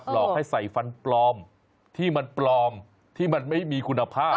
หลอกให้ใส่ฟันปลอมที่มันปลอมที่มันไม่มีคุณภาพ